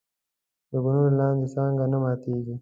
د ګلونو لاندې څانګه نه ماتېږي.